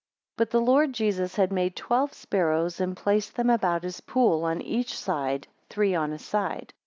17 But the Lord Jesus had made twelve sparrows, and placed them about his pool on each side, three on a side.